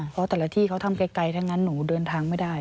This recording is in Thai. เพราะแต่ละที่เขาทำไกลทั้งนั้นหนูเดินทางไม่ได้